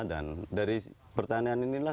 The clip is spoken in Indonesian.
dan dari pertanian inilah